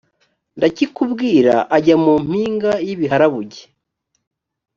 ndakikubwira ajya mu mpinga y ibiharabuge